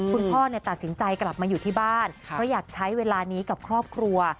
คุณพ่อตัดสินใจกลับมาอยู่ที่บ้านเพราะอยากใช้เวลานี้กับครอบครัว